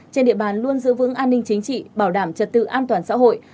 trên địa bàn luôn giữ vững an ninh chính trị bảo đảm trật tự an toàn xã hội